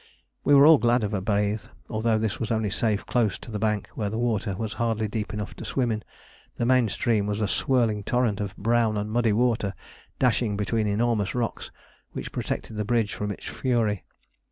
We were all glad of a bathe, although this was only safe close to the bank, where the water was hardly deep enough to swim in. The main stream was a swirling torrent of brown and muddy water, dashing between enormous rocks, which protected the bridge from its fury.